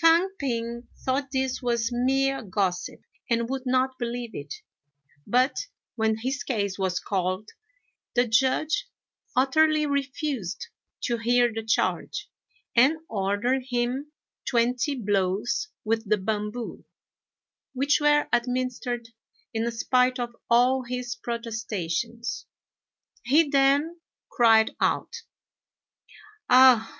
Fang p'ing thought this was mere gossip, and would not believe it; but, when his case was called, the Judge utterly refused to hear the charge, and ordered him twenty blows with the bamboo, which were administered in spite of all his protestations. He then cried out, "Ah!